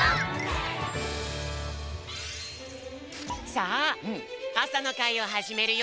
さああさのかいをはじめるよ！